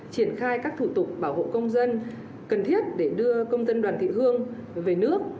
triển khai các thủ tục bảo hộ công dân cần thiết để đưa công dân đoàn thị hương về nước